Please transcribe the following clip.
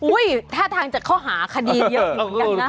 อุ้ยท่าทางจะเข้าหาคดีอยู่อย่างนั้นนะ